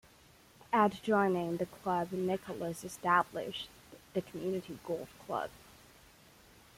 Adjoining the club Nichols established the Community Golf Club.